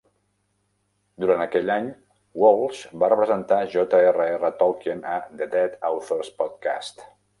Durant aquell any, Walsh va representar J. R. R. Tolkien a "The Dead Authors Podcast".